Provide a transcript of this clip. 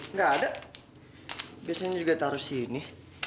nggak ada biasanya juga taruh sini